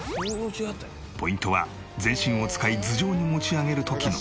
ポイントは全身を使い頭上に持ち上げる時の瞬発力。